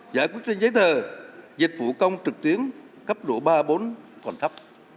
giải quyết trên giấy tờ dịch vụ công trực tuyến cấp độ ba bốn còn thấp